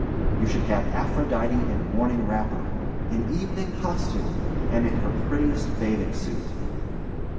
You should have Aphrodite in morning wrapper, in evening costume, and in her prettiest bathing suit.